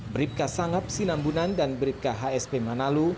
beribka sangap sinambunan dan beribka hsp manalu